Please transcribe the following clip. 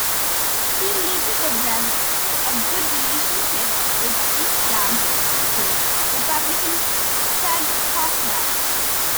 He later developed a good relationship with Eastland's successor, Republican Thad Cochran.